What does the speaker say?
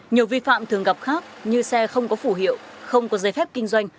nhiều vi phạm thường gặp khác như xe không có phủ hiệu không có giấy phép kinh doanh